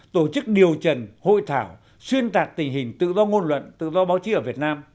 tổ chức điều trần hội thảo xuyên tạc tình hình tự do ngôn luận tự do báo chí ở việt nam